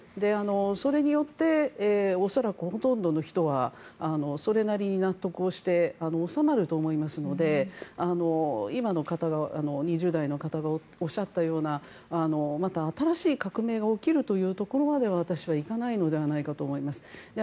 それによって恐らくほとんどの人はそれなりに納得をして収まると思いますので今の２０代の方がおっしゃったようなまた新しい革命が起こるというところまでは私は行かないのではないかと思います。